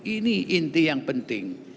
ini inti yang penting